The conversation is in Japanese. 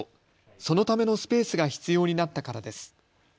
そのためのスペースが必要になったからです。